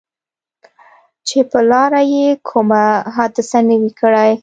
چې پر لاره یې کومه حادثه نه وي کړې.